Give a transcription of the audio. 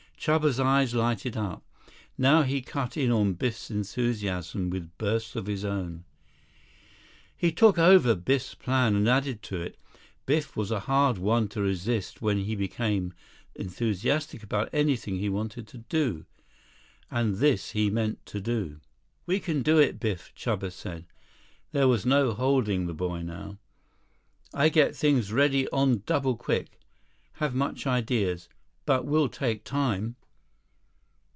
Chuba's eyes lighted up. Now he cut in on Biff's enthusiasm with bursts of his own. He took over Biff's plan, and added to it. Biff was a hard one to resist when he became enthusiastic about anything he wanted to do. And this he meant to do. "We can do it, Biff," Chuba said. There was no holding the boy now. "I get things ready on double quick. Have much ideas. But will take time."